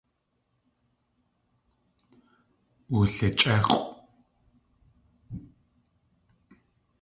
Wulichʼéx̲ʼw.